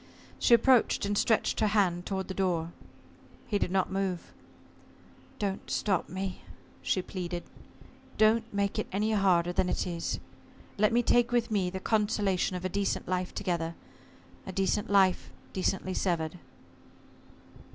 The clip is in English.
She approached, and stretched her hand toward the door. He did not move. "Don't stop me," she pleaded. "Don't make it any harder than it is. Let me take with me the consolation of a decent life together a decent life decently severed."